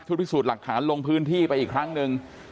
พิสูจน์หลักฐานลงพื้นที่ไปอีกครั้งหนึ่ง